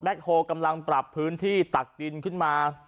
โฮลกำลังปรับพื้นที่ตักดินขึ้นมา